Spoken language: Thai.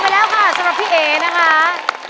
เปิดประเดิมมาแล้วสำหรับพี่เอนะครับ